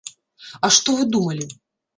А што вы думалі?